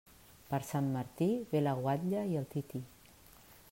Per Sant Martí, ve la guatlla i el tití.